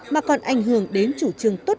mà còn ảnh hưởng đến chủ trương tốt